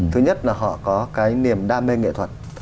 thứ nhất là họ có cái niềm đam mê nghệ thuật